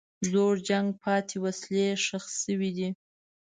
د زوړ جنګ پاتې وسلې ښخ شوي دي.